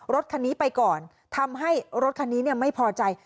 รถคันนี้ไปก่อนทำให้รถคันนี้ไม่พอใจ